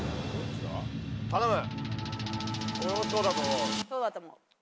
頼む。